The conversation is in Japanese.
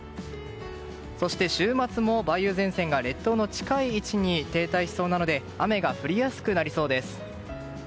そして週末も梅雨前線が列島の近い位置に停滞しそうなので雨が降りやすくなりそうです。